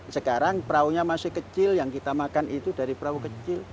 sekarang peraunya masih kecil yang kita makan itu dari perahu kecil